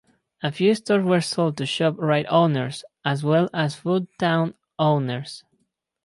A few stores were sold to Shop Rite owners as well as Foodtown owners.